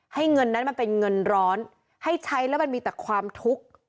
เงินนั้นมันเป็นเงินร้อนให้ใช้แล้วมันมีแต่ความทุกข์